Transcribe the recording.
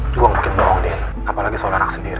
gue gak mungkin bohong den apalagi seorang anak sendiri